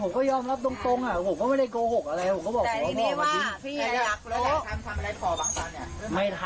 ผมก็ยอมรับตรงตรงอ่ะผมก็ไม่ได้โกหกอะไร